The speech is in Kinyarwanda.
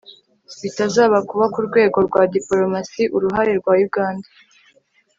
bitaza kuba ku rwego rwa dipolomasi, uruhare rwa uganda